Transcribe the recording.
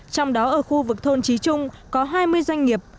trong đó ở khu vực thôn trí trung có hai mươi doanh nghiệp